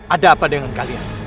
ada apa dengan kalian